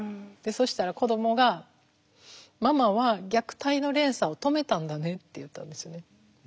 そしたら子どもが「ママは虐待の連鎖を止めたんだね」って言ったんですよね。